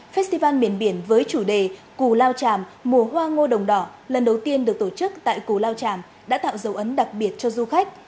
festival miền biển với chủ đề cù lao tràm mùa hoa ngô đồng đỏ lần đầu tiên được tổ chức tại cù lao tràm đã tạo dấu ấn đặc biệt cho du khách